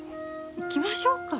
行きましょうか。